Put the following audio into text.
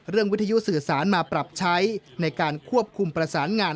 วิทยุสื่อสารมาปรับใช้ในการควบคุมประสานงาน